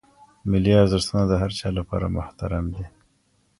ملي ارزښتونه د هر چا لپاره محترم دي.